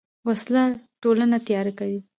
وسله ټولنه تیاره کوي